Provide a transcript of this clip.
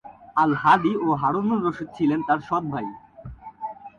আল Hadi ও Harunur Rashid ছিলেন তার সৎভাই।